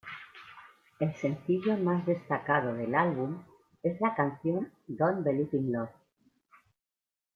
El sencillo más destacado del álbum es la canción "Don't Believe in Love".